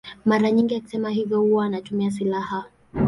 Mara nyingi akisema hivyo huwa anatumia silaha.